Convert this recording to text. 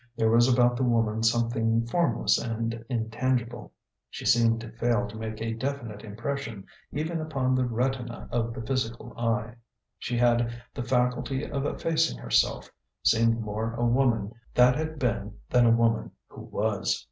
There was about the woman something formless and intangible. She seemed to fail to make a definite impression even upon the retina of the physical eye. She had the faculty of effacing herself, seemed more a woman that had been than a woman who was.